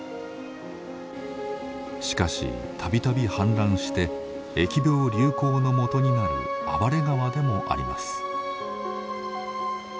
しかし度々氾濫して疫病流行のもとになる暴れ川でもあります。